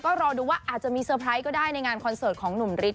ก็รอดูว่าอาจจะมีเซอร์ไพรส์ก็ได้ในงานคอนเสิร์ตของหนุ่มฤทธ